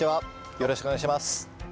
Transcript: よろしくお願いします。